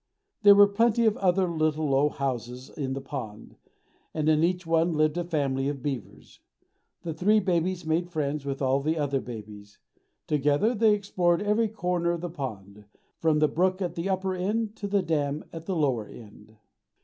There were plenty of other little low houses in the pond, and in each one lived a family of beavers. The three babies made friends with all the other babies. Together they explored every corner of the pond, from the brook at the upper end to the dam at the lower end.